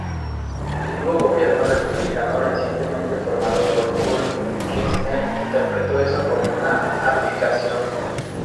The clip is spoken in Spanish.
El nuevo gobierno republicano recientemente formado por Kurt Eisner interpretó eso como una abdicación.